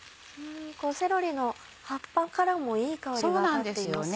セロリの葉っぱからもいい香りが立っていますよね。